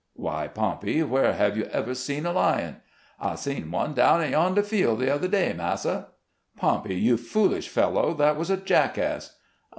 "Why, Pompey, where have you ever seen a lion ?"" I seen one down in yonder field the other day, massa." " Pompey, you foolish fellow, that was a jackass."